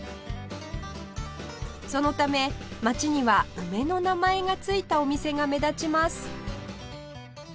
そのため街には「梅」の名前が付いたお店が目立ちます